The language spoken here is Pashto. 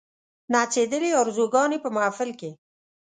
نڅېدلې آرزوګاني په محفل کښي